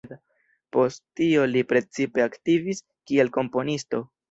Post tio li precipe aktivis kiel komponisto.